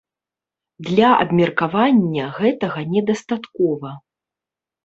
Для абмеркавання гэтага недастаткова.